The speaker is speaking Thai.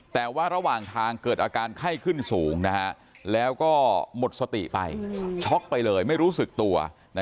แต่ว่าระหว่างทางเกิดอาการไข้ขึ้นสูงแล้วก็หมดสติไปช็อกไปเลยไม่รู้สึกตัว